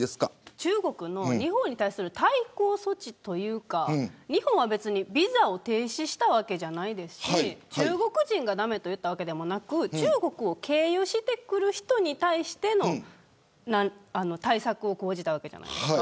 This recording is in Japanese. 中国の日本に対する対抗措置というか日本は別にビザを停止したわけじゃないですし中国人が駄目と言ったわけでもなく中国を経由してくる人に対しての対策を講じたわけじゃないですか。